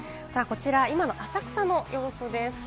今の浅草の様子です。